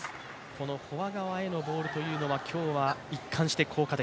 このフォア側へのボールというのは今日は一貫して効果的。